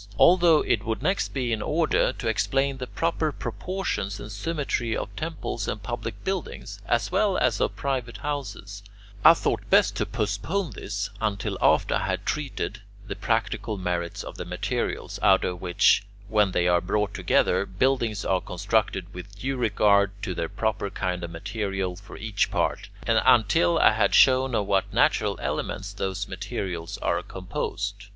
Although it would next be in order to explain the proper proportions and symmetry of temples and public buildings, as well as of private houses, I thought best to postpone this until after I had treated the practical merits of the materials out of which, when they are brought together, buildings are constructed with due regard to the proper kind of material for each part, and until I had shown of what natural elements those materials are composed.